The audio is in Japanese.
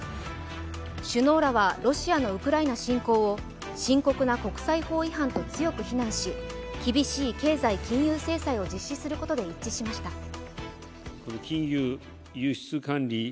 首脳らはロシアのウクライナ侵攻を深刻な国際法違反と強く非難し、厳しい経済・金融制裁を実施することで一致しました。